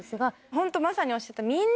ホントまさにおっしゃった。